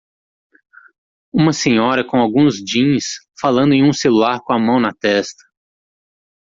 Uma senhora com alguns jeans falando em um celular com a mão na testa